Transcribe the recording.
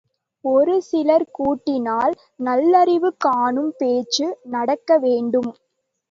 ஒருசிலர் கூடினால் நல்லறிவு காணும் பேச்சு நடக்கவேண்டும்.